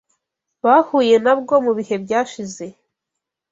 bahuye na bwo mu bihe byashize